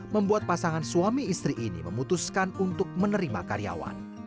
membuat pasangan suami istri ini memutuskan untuk menerima karyawan